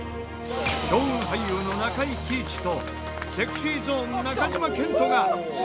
強運俳優の中井貴一とＳｅｘｙＺｏｎｅ中島健人が。